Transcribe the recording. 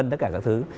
tất cả các thứ